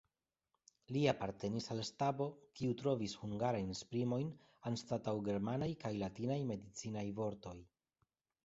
Li apartenis al stabo, kiu trovis hungarajn esprimojn anstataŭ germanaj kaj latinaj medicinaj vortoj.